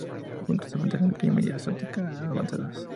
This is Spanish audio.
Juntos enfrentan el crimen y exóticas amenazas.